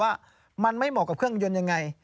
ว่ามันไม่เหมาะกับเครื่องยนต์ยังไง